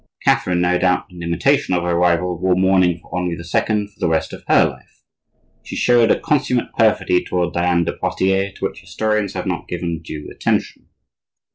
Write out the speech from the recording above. Catherine, no doubt in imitation of her rival, wore mourning for Henri II. for the rest of her life. She showed a consummate perfidy toward Diane de Poitiers, to which historians have not given due attention.